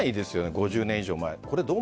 ５０年以上前。